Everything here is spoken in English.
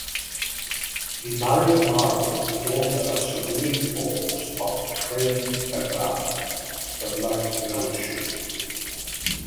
He married Margaret, daughter of Sir William Forbes of Craigievar, but left no issue.